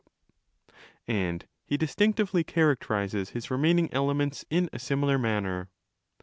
and he distinctively characterizes his remaining elements in a similar manner.